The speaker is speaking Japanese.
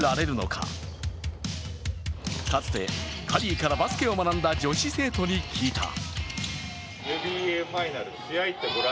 かつてカリーからバスケを学んだ女子生徒に聞いた。